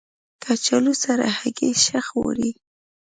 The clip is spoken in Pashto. کچالو سره هګۍ ښه خوري